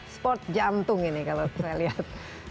sport jantung ini kalau saya lihat